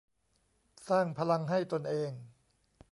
สร้างพลังให้ตนเอง